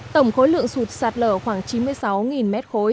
tổng khối lượng sụt sạt lở khoảng chín mươi sáu m ba